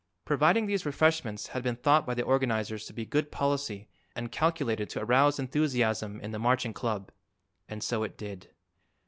Providing these refreshments had been thought by the organizers to be good policy and calculated to arouse enthusiasm in the Marching Club; and so it did.